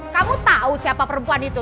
kamu tahu siapa perempuan itu